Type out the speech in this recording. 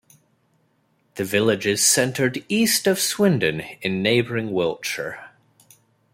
The village is centred east of Swindon in neighbouring Wiltshire.